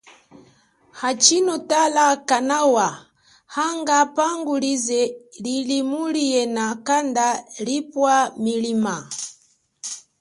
Hachino tala kanawa hanga pangu lize lili muli yena kanda lipwa milima.